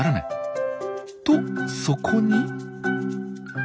とそこに。